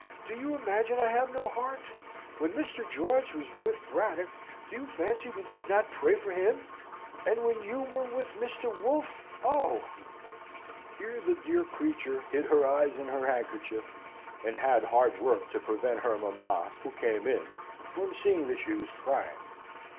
do you imagine I have no heart? When Mr. George was with Braddock, do you fancy we did not pray for him? And when you were with Mr. Wolfe oh!' "Here the dear creature hid her eyes in her handkerchief, and had hard work to prevent her mama, who came in, from seeing that she was crying.